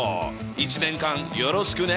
一年間よろしくね。